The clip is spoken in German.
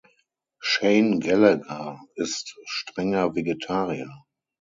Shane Gallagher ist strenger Vegetarier.